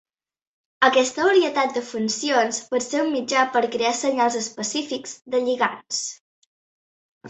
Aquesta varietat de funcions pot ser un mitjà per crear senyals específics de lligands.